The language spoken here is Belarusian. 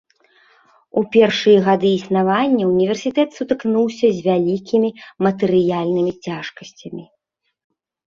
У першыя гады існавання ўніверсітэт сутыкнуўся з вялікімі матэрыяльнымі цяжкасцямі.